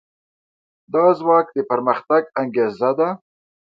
دا ځواک د پرمختګ انګېزه ده.